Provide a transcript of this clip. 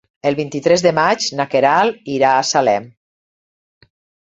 El vint-i-tres de maig na Queralt irà a Salem.